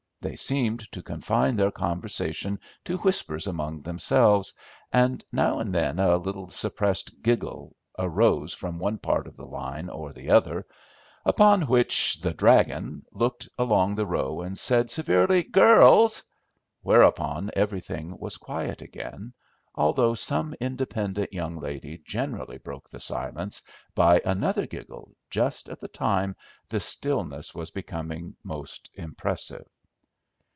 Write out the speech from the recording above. They seemed to confine their conversation to whispers among themselves, and now and then a little suppressed giggle arose from one part of the line or the other, upon which the "dragon" looked along the row, and said severely, "Girls!" whereupon everything was quiet again, although some independent young lady generally broke the silence by another giggle just at the time the stillness was becoming most impressive.